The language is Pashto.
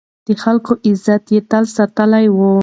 د خلکو عزت يې تل ساتلی و.